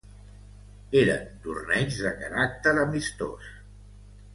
Eren torneigs de caràcter amistós.